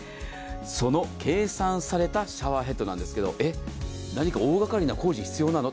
その計算されたシャワーヘッドなんですけどえ、何か大がかりな工事必要なの？